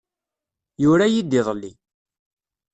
Yura-iyi-d iḍelli.